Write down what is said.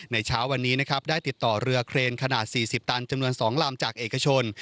เช้าวันนี้นะครับได้ติดต่อเรือเครนขนาด๔๐ตันจำนวน๒ลำจากเอกชน